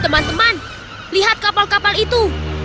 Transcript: teman teman lihat kapal kapal itu